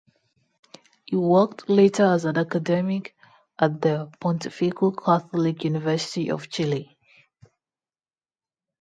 He worked later as an academic at the Pontifical Catholic University of Chile.